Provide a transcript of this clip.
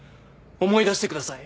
思い出してください。